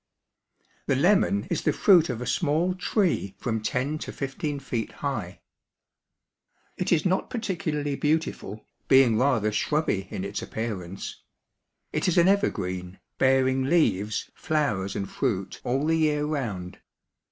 The lemon is the fruit of a small tree from ten to fifteen feet high. It is not particularly beautiful, being rather shrubby in its appearance. It is an evergreen, bearing leaves, flowers, and fruit all the year round.